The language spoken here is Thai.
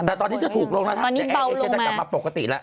แต่ตอนนี้จะถูกลงละครับแต่แอลเอเชียจะกลับมาปกติละ